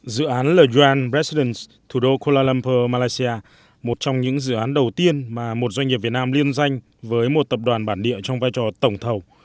dự án leyan brexidence thủ đô kuala lumpur malaysia một trong những dự án đầu tiên mà một doanh nghiệp việt nam liên danh với một tập đoàn bản địa trong vai trò tổng thầu